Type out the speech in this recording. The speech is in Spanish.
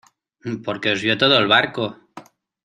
porque os vio todo el barco.